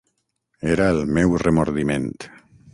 Era el meu remordiment.